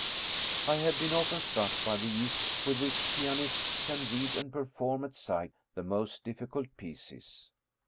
I had been often struck by the ease with which pianists can read and perform at sight the most difficult pieces.